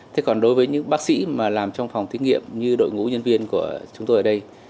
thế còn đối với những bác sĩ mà làm trong phòng thí nghiệm như đội ngũ nhân viên của chúng tôi ở đây